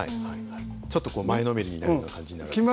ちょっと前のめりになるような感じになるんですね。